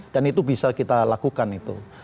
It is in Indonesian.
dan itu bisa kita lakukan itu